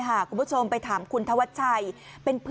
แล้วก็ไม่ยอมให้ทำแผลร้องโวยวายตลอด